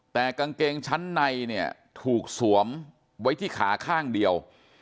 แต่กางเกงชั้นในเนี่ยถูกสวมไว้ที่ขาข้างเดียว